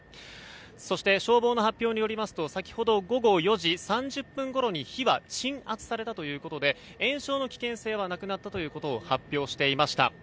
そして、消防の発表によりますと先ほど午後４時３０分ごろに火は鎮圧されたということで延焼の危険性はなくなったということを発表していました。